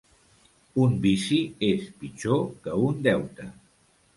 Un vici és pitjor que un deute.